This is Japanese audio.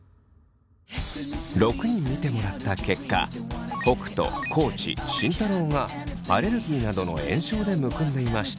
６人見てもらった結果北斗地慎太郎がアレルギーなどの炎症でむくんでいました。